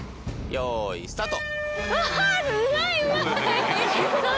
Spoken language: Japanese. よいスタート！